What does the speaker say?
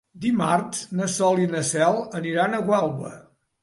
Dimarts na Sol i na Cel aniran a Gualba.